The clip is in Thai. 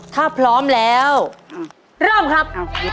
ถ้าพร้อมแล้วเริ่มครับ